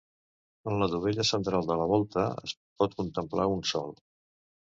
En la dovella central de la volta es pot contemplar un sol.